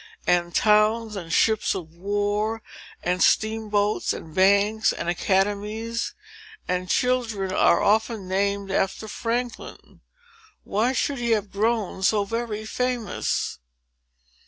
And towns, and ships of war, and steamboats, and banks, and academies, and children, are often named after Franklin. Why should he have grown so very famous?"